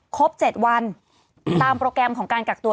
ครบ๗วันตามโปรแกรมของการกักตัว